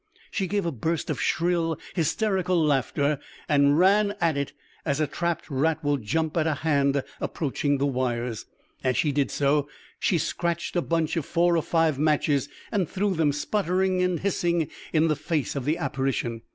She gave a burst of shrill, hysterical laughter and ran at it, as a trapped rat will jump at a hand approaching the wires. As she did so, she scratched a bunch of four or five matches and threw them, spluttering and hissing, in the face of the apparition.